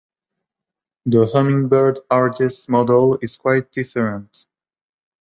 The Hummingbird Artist model is quite different.